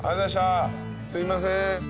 すいません。